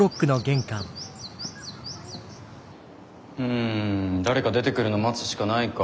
ん誰か出てくるの待つしかないか。